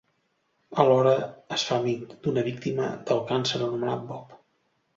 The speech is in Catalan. Alhora, es fa amic d'una víctima del càncer anomenat Bob.